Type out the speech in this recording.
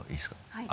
はい。